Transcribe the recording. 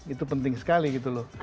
itu penting sekali gitu loh